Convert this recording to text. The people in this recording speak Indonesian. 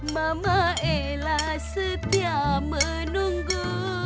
mama ella setia menunggu